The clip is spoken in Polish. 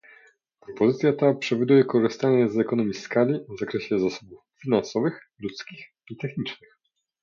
Propozycja ta przewiduje korzystanie z ekonomii skali w zakresie zasobów finansowych, ludzkich i technicznych